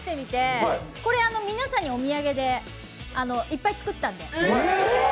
皆さんにお土産でいっぱい作ったんで。